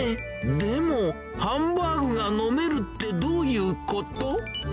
でも、ハンバーグが飲めるってどういうこと？